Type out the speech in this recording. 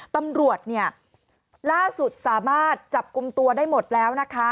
ตำรวจล่าสุดสามารถจับกลุ่มตัวได้หมดแล้ว